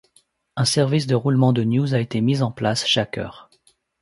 Un service de roulement de news a été mis en place chaque heure.